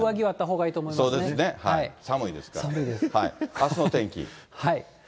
あすの天気。